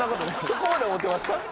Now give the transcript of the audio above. そこまで思ってました？